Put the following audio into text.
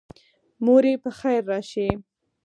موري پخیر راشي